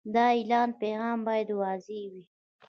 د اعلان پیغام باید واضح وي.